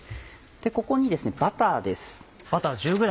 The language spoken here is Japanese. ここにバターです。